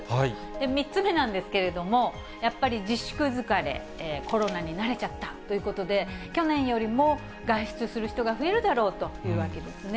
３つ目なんですけれども、やっぱり自粛疲れ、コロナに慣れちゃったということで、去年よりも外出する人が増えるだろうというわけですね。